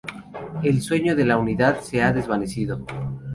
El sueño de la Unidad se ha desvanecido.